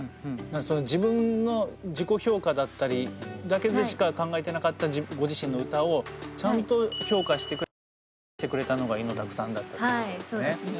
自分の自己評価だったりだけでしか考えてなかったご自身の歌をちゃんと評価してくれてそれを伸ばしてくれたのがイノタクさんだったってことですね。